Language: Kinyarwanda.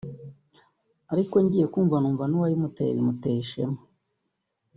ariko ngiye kumva numva nuwayimuteye bimuteye ishema